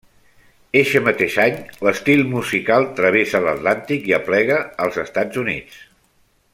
Eixe mateix any, l'estil musical travessa l'Atlàntic i aplega als Estats Units.